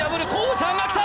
ちゃんがきた！